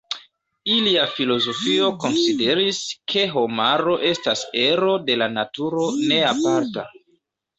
Ilia filozofio konsideris, ke homaro estas ero de la naturo, ne aparta.